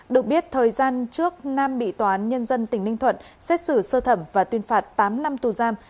được biết thời gian trước nam bị tòa án nhân dân tỉnh ninh thuận xét xử sơ thẩm và tuyên phạt tám năm tù giam